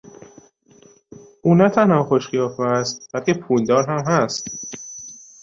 او نه تنها خوش قیافه است بلکه پولدار هم هست.